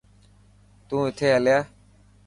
تون اٿي هليا.